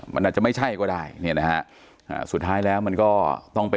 มันอาจจะไม่ใช่ก็ได้สุดท้ายแล้วมันก็ต้องเป็น